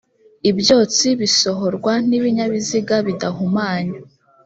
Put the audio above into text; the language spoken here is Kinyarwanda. ibyotsi bisohorwa n ibinyabiziga bidahumanya